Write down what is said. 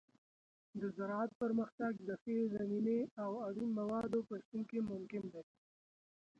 د زراعت پرمختګ د ښې زمینې او اړین موادو په شتون کې ممکن دی.